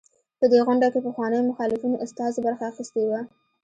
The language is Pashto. په دې غونډه کې پخوانيو مخالفینو استازو برخه اخیستې وه.